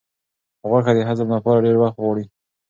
غوښه د هضم لپاره ډېر وخت غواړي.